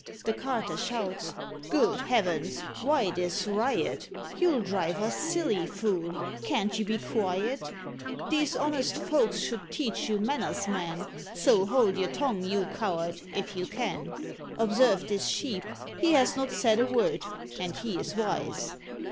The carter shouts, "Good heavens! why this riot? You'll drive us silly; fool! can't you be quiet? These honest folks should teach you manners, man; So hold your tongue, you coward, if you can. Observe this sheep, he has not said a word, And he is wise."